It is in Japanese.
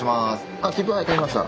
あっ切符は買いました。